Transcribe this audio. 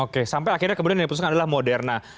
oke sampai akhirnya kemudian yang di putuskan adalah moderna